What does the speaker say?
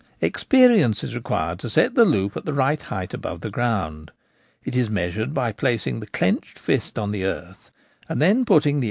Experience is required to set the loop at the right height above the ground. It is measured by placing the clenched fist on the earth, and then putting the The Poacher snares himself.